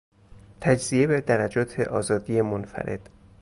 تجزیه به درجات آزادی منفرد